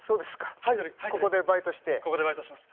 夜はここでバイトしてます。